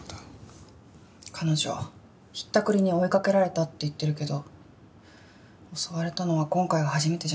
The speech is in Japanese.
彼女ひったくりに追いかけられたって言ってるけど襲われたのは今回が初めてじゃないと思う。